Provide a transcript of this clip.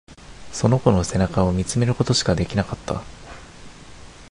その子の背中を見つめることしかできなかった。